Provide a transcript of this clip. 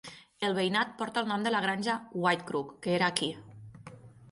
El veïnat porta el nom de la granja Whitecrook, que era aquí.